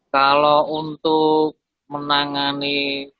kalau untuk menangani